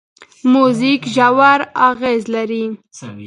موزیک ژور اغېز لري.